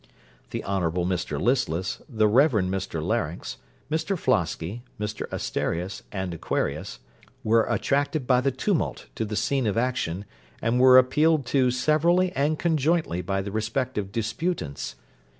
The Honourable Mr Listless, the Reverend Mr Larynx, Mr Flosky, Mr Asterias, and Aquarius, were attracted by the tumult to the scene of action, and were appealed to severally and conjointly by the respective disputants.